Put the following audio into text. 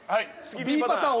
Ｂパターン